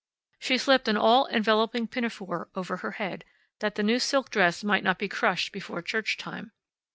She slipped an all enveloping pinafore over her head, that the new silk dress might not be crushed before church time.